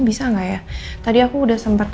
bisa gak ya tadi aku udah sempet